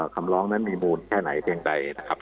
คำร้องนั้นมีมูลแค่ไหนเพียงใดนะครับ